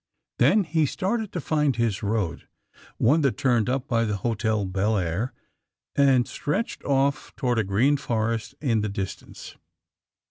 Then he started to find his road, one that turned up by the Hotel Belleair and stretched off toward a green forest in the distance.